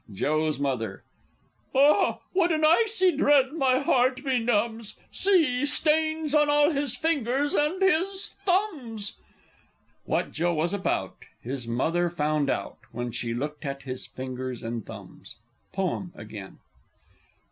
_ Joe's Mother. Ah! what an icy dread my heart benumbs! See stains on all his fingers, and his thumbs! "What Joe was about, His mother found out, When she look'd at his fingers and thumbs." _Poem again.